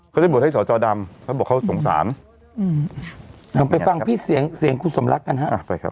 เขาได้บวชให้สอจอดำเขาบอกเขาสงสารไปฟังพี่เสียงเสียงคุณสมรักกันฮะไปครับ